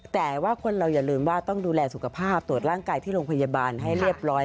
แต่ว่าคนเราอย่าลืมว่าต้องดูแลสุขภาพตรวจร่างกายที่โรงพยาบาลให้เรียบร้อย